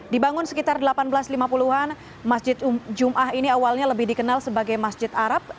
dibangun sekitar seribu delapan ratus lima puluh an masjid ⁇ jumah ⁇ ini awalnya lebih dikenal sebagai masjid arab